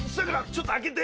ちょっと開けて。